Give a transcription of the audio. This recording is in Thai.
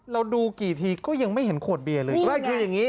เราดูกี่ทีก็ยังไม่เห็นขวดเบียร์เลย